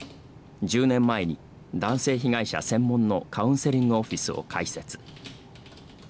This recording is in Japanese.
１０年前に男性被害者専門のカウンセリングオフィスを開設。